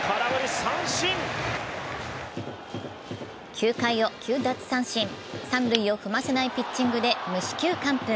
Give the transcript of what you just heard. ９回を９奪三振、三塁を踏ませないピッチングで無四球完封。